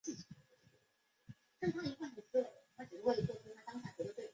这特色以及它本身带有的问题在九九式轻机枪问世后获得解决。